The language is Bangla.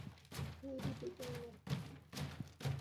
হেই, রুটি, কেমন আছো?